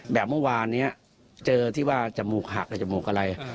เมื่อวานนี้เจอที่ว่าจมูกหักกับจมูกอะไร